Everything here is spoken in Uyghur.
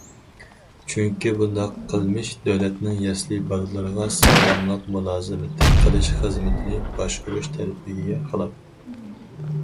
چۈنكى، بۇنداق قىلمىش دۆلەتنىڭ يەسلى بالىلىرىغا ساغلاملىق مۇلازىمىتى قىلىش خىزمىتىنى باشقۇرۇش تەلىپىگە خىلاپ.